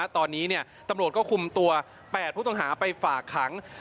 ตอนนี้ตำรวจก็คุมตัว๘ผู้ต้องหาไปฝากขัง